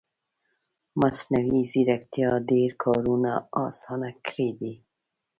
مصنوعي ځیرکتیا ډېر کارونه اسانه کړي دي